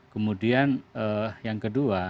kemudian yang kedua